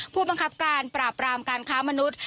ผู้บังคับการปราบรามการค้ามนุษย์